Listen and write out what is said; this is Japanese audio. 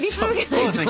そうですね。